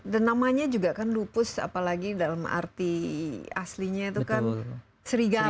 dan namanya juga kan lupus apalagi dalam arti aslinya itu kan serigala